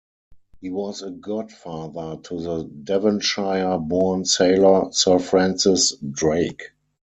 He was a godfather to the Devonshire-born sailor Sir Francis Drake.